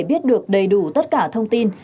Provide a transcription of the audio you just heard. biết được đầy đủ tất cả thông tin